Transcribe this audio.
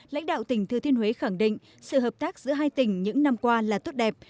lãnh đạo tỉnh thừa thiên huế khẳng định sự hợp tác giữa hai tỉnh những năm qua là tốt đẹp